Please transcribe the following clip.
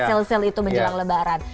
sale sale itu menjelang lebaran